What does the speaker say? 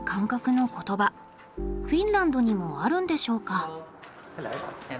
フィンランドにもあるんでしょうか？